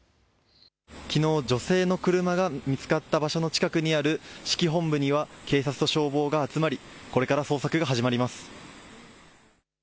きのう女性の車が見つかった場所の近くにある指揮本部には警察と消防が集まりこれから捜索が始まります。